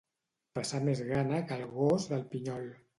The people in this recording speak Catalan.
Passar més gana que el gos del Pinyol.